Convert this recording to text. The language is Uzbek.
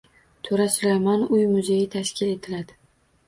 To‘ra Sulaymon uy-muzeyi tashkil etiladi